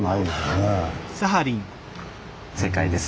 正解です。